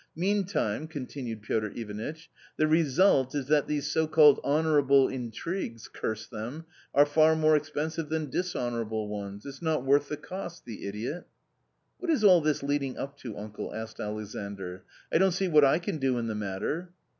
" Meantime, continued Piotr Ivanitch, " the result is that these so called honourable intrigues — curse them !— are far more expensive than dishonourable ones. It's not worth the cost, the idiot !"" What is all this leading up to, uncle ?" asked Alexandr. " I don't see what I can do in the matter."